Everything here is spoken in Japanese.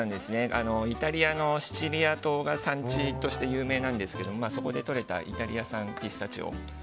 イタリアのシチリア島が産地として有名なんですけどそこでとれたイタリア産ピスタチオ。